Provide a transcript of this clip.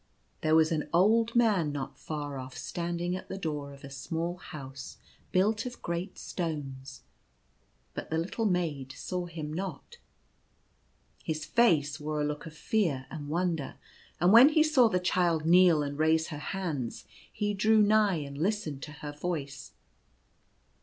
There was an old man not far off standing at the door of a small house built of great stones, but the little maid saw him not. His face wore a look of fear and wonder, and when he saw the child kneel and raise her hands, he drew nigh and listened to her voice.